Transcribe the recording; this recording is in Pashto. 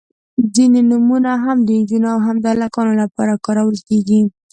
• ځینې نومونه هم د نجونو او هم د هلکانو لپاره کارول کیږي.